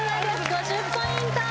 ５０ポイント